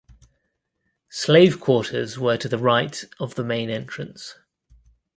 Slave quarters were to the right of the main entrance.